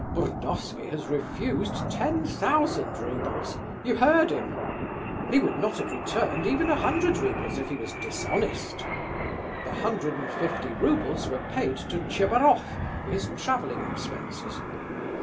Burdovsky has refused ten thousand roubles; you heard him. He would not have returned even a hundred roubles if he was dishonest! The hundred and fifty roubles were paid to Tchebaroff for his travelling expenses.